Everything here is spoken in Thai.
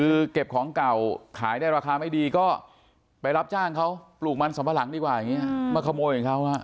คือเก็บของเก่าขายได้ราคาไม่ดีก็ไปรับจ้างเขาปลูกมันสัมปะหลังดีกว่าอย่างนี้มาขโมยของเขา